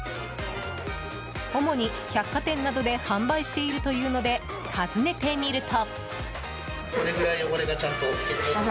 主に百貨店などで販売しているというので訪ねてみると。